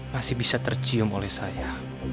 masih bisa tercium oleh saya